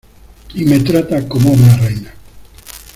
y me trata como una reina.